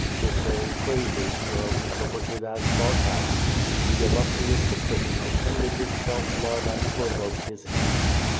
His very praises Nero interpreted as sarcasm. The illustrious patri cian offended his self love and provoked his envy.